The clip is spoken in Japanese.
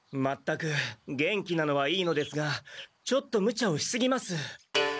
全く元気なのはいいのですがちょっとむちゃをしすぎます。